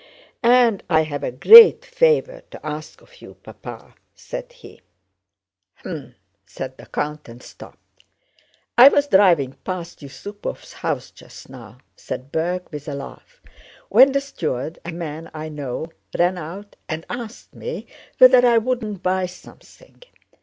"And I have a great favor to ask of you, Papa," said he. "Hm..." said the count, and stopped. "I was driving past Yusúpov's house just now," said Berg with a laugh, "when the steward, a man I know, ran out and asked me whether I wouldn't buy something.